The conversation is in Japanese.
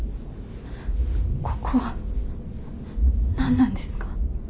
ここは何なんですか？